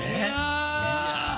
いや！